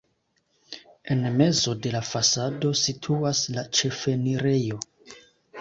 En mezo de la fasado situas la ĉefenirejo.